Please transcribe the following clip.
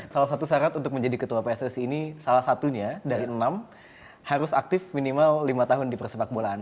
salah satu syarat untuk menjadi ketua pssi ini salah satunya dari enam harus aktif minimal lima tahun di persepak bolaan